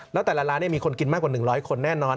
แล้วแต่ละร้านมีคนกินมากกว่า๑๐๐คนแน่นอน